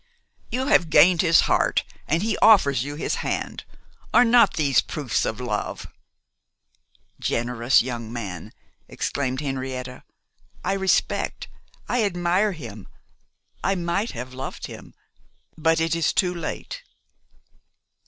'You have gained his heart, and he offers you his hand. Are not these proofs of love?' 'Generous, good young man!' exclaimed Henrietta; 'I respect, I admire him; I might have loved him. But it is too late.